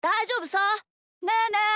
ねえねえ